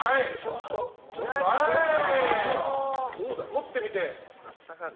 持ってみて。